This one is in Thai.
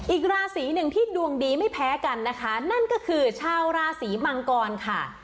อีกราศีหนึ่งที่ดวงดีไม่แพ้กันนะคะนั่นก็คือชาวราศีมังกรค่ะ